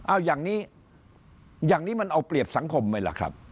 เอาอย่างนี้อย่างนี้มันเอาเปรียบสังคมไหมล่ะครับ